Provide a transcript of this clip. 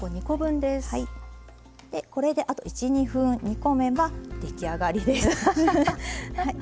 これであと１２分煮込めば出来上がりです。